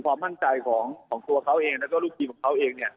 ความมั่นใจของตัวเขาเองแล้วก็ลูกทีมของเขาเองเนี่ย